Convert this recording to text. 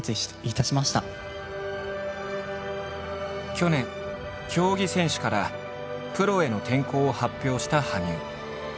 去年競技選手からプロへの転向を発表した羽生。